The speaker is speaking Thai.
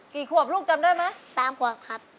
กี่ขวบลูกจำได้ไหม๓ขวบครับ